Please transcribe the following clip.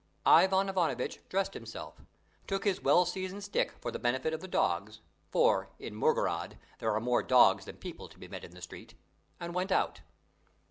Ivan Ivanovitch dressed himself, took his well seasoned stick for the benefit of the dogs, for, in Mirgorod, there are more dogs than people to be met in the street, and went out.